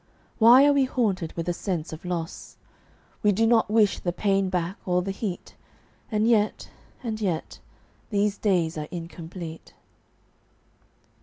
Why are we haunted with a sense of loss? We do not wish the pain back, or the heat; And yet, and yet, these days are incomplete.